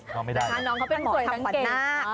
น้องเป็นหมอทำขวดหน้า